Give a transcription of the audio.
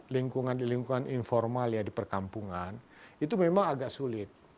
lingkungan lingkungan informal ya di perkampungan itu memang agak sulit